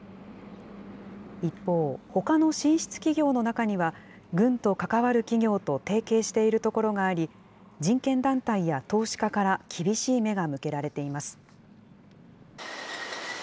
一方、ほかの進出企業の中には、軍と関わる企業と提携しているところがあり、人権団体や投資家から厳しい目が向けられています。